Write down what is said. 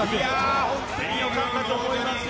本当によかったと思います。